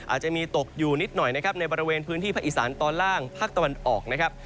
อาจจะมีตกอยู่นิดหน่อยนะครับในบริเวณพื้นที่ภาคอีสานตอนล่างภาคตะวันออกนะครับ